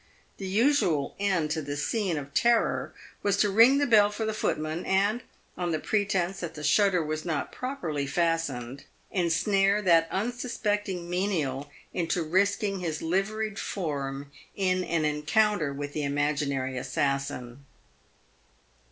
The usual end to the scene of terror was to ring the bell for the footman, and, on the pretence that the shutter wasjnot properly fastened, ensnare that unsuspecting menial into risking his liveried form in an encounter with the imaginary assassin.